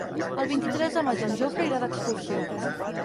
El vint-i-tres de maig en Jofre irà d'excursió.